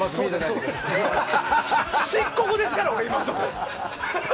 漆黒ですから、今のところ！